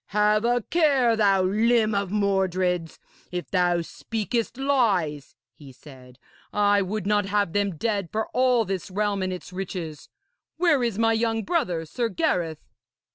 'Have a care, thou limb of Mordred's, if thou speakest lies,' he said. 'I would not have them dead for all this realm and its riches. Where is my young brother, Sir Gareth?'